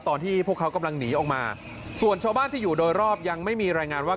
ตอนที่พวกเขากำลังหนีออกมาส่วนชาวบ้านที่อยู่โดยรอบยังไม่มีรายงานว่า